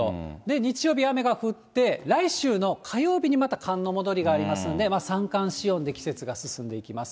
日曜日雨が降って、来週の火曜日にまた寒の戻りがありますので、三寒四温で季節が進んでいきます。